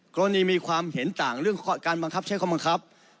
มีความเห็นต่างเรื่องการบังคับใช้ข้อบังคับ